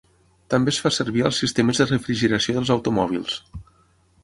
També es fa servir als sistemes de refrigeració dels automòbils.